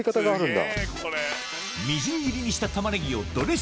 みじん切りにした